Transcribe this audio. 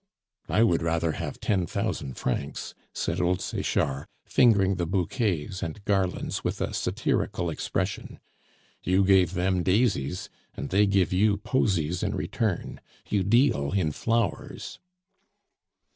"I would rather have ten thousand francs," said old Sechard, fingering the bouquets and garlands with a satirical expression. "You gave them daisies, and they give you posies in return; you deal in flowers."